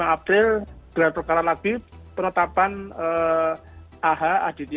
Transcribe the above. dua puluh lima april gelar perkara lagi penetapan ah aditya